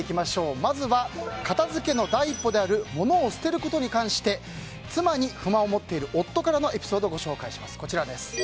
まずは片付けの第一歩である物を捨てることに関して妻に不満を持っている夫からのエピソードをご紹介します。